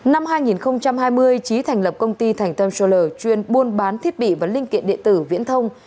năm hai nghìn hai mươi trí thành lập công ty thành tâm scholar chuyên buôn bán thiết bị và linh kiện địa tử viễn thông